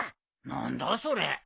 何だそれ。